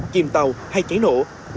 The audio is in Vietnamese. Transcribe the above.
chìm tàu hay cháy nổ